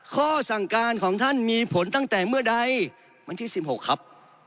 ข้อสั่งการของท่านมีผลตั้งแต่เมื่อใดวันที่๑๖ครับ